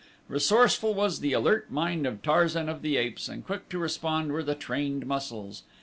Resourceful was the alert mind of Tarzan of the Apes and quick to respond were the trained muscles.